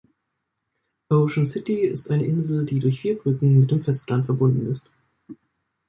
Ocean City ist eine Insel, die durch vier Brücken mit dem Festland verbunden ist.